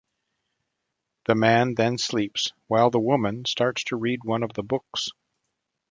The man then sleeps, while the woman starts to read one of the books.